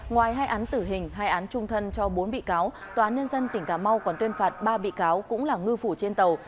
ngoài hai án tử hình hai án trung thân cho bốn bị cáo tòa án nhân dân tỉnh cà mau còn tuyên phạt ba bị cáo cũng là ngư phủ trên tàu